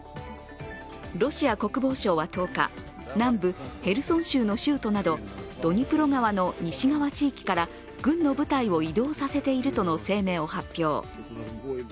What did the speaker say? ロシア国防省は１０日、南部ヘルソン州の州都などドニプロ川の西側地域から軍の部隊を移動させているとの声明を発表。